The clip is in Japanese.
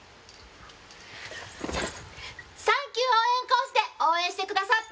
サンキュー応援コースで応援してくださった。